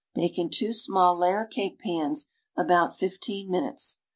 Bake in two small layer cake pans about fifteen minutes.